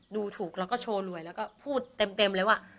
ดูถูกแล้วก็โชว์รวยแล้วก็พูดเต็มเลยว่า